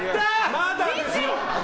まだですよ！